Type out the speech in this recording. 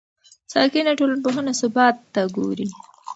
ساکنه ټولنپوهنه ثبات ته ګوري.